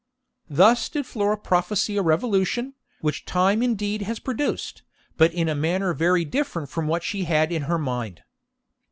Thus did Flora prophesy a revolution, which time indeed has produced, but in a manner very different from what she had in her mind.